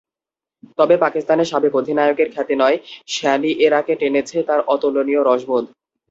তবে পাকিস্তানের সাবেক অধিনায়কের খ্যাতি নয়, শ্যানিয়েরাকে টেনেছে তাঁর অতুলনীয় রসবোধ।